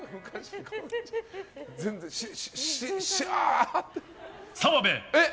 全然しゃーって。